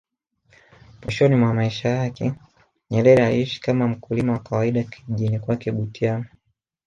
Mwishoni mwa maisha yake Nyerere aliishi kama mkulima wa kawaida kijijini kwake Butiama